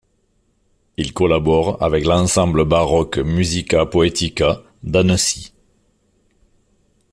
Il collabore avec l'ensemble baroque Musica Poetica d'Annecy.